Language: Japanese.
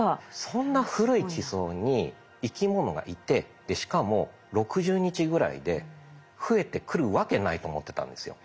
そんな古い地層に生き物がいてしかも６０日ぐらいで増えてくるわけないと思ってたんですよ。